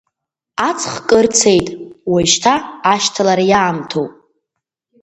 Аҵх кыр цеит, уажәшьҭа ашьҭалара иаамҭоуп.